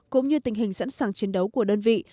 cũng như tình hình sẵn sàng chiến đấu của đơn vị